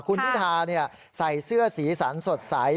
คุณพิทาใส่เสื้อสีสันสดใส